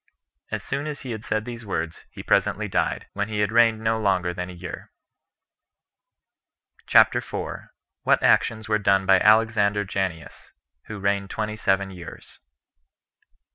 As soon as he had said these words, he presently died, when he had reigned no longer than a year. CHAPTER 4. What Actions Were Done By Alexander Janneus, Who Reigned Twenty Seven Years.